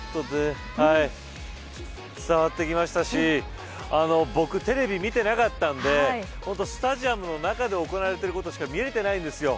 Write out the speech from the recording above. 伝わってきましたし僕、テレビ見てなかったんでスタジアムの中で行われていることしか見れてないんですよ。